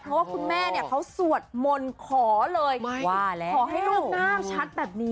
เพราะว่าคุณแม่เนี้ยเขาสวดมนตร์คอเลยมาต่อให้ลูกน่าา้มชัดแบบนี้